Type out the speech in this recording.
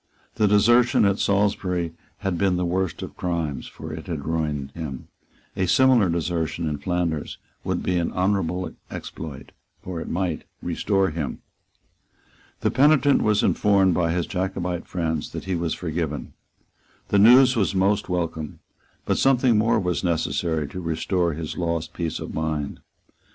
The desertion at Salisbury had been the worst of crimes; for it had ruined him. A similar desertion in Flanders would be an honourable exploit; for it might restore him. The penitent was informed by his Jacobite friends that he was forgiven. The news was most welcome; but something more was necessary to restore his lost peace of mind.